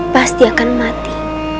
pasti akan mati